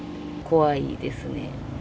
怖いですね。